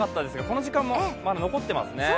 この時間もまだ残っていますね。